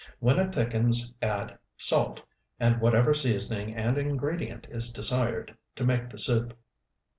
When it thickens add salt and whatever seasoning and ingredient is desired to make the soup.